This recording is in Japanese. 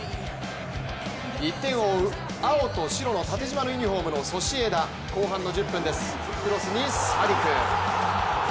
１点を追う青と白の縦じまのユニフォームのソシエダ後半の１０分です、クロスにサディク。